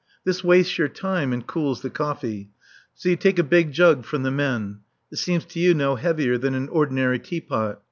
This wastes your time and cools the coffee. So you take a big jug from the men. It seems to you no heavier than an ordinary teapot.